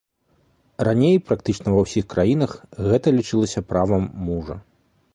Раней практычна ва ўсіх краінах гэта лічылася правам мужа.